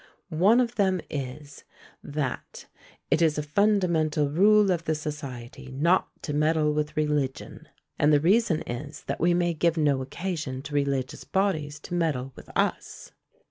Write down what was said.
One of them is, that "It is a fundamental rule of the society not to meddle with religion; and the reason is, that we may give no occasion to religious bodies to meddle with us."